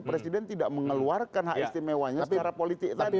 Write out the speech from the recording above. presiden tidak mengeluarkan hak istimewanya secara politik tadi